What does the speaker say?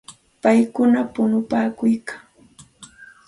Paykuna punupaakuykalkan.